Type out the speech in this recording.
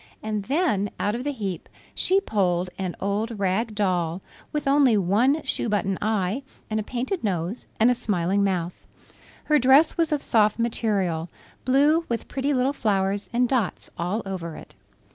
And then out of the heap she pulled an old rag doll with only one shoe button eye and a painted nose and a smiling mouth. Her dress was of soft material, blue with pretty little flowers and dots all over it.